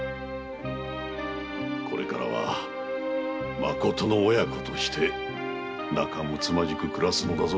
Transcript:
これからはまことの親子として仲睦まじく暮らすのだぞ。